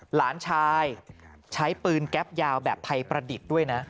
หลานชายใช้ปืนแก๊ปยาวแบบไทยประดิษฐ์ด้วยนะ